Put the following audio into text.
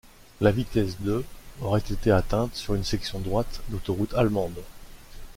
La vitesse de aurait été atteinte sur une section droite d'autoroute allemande.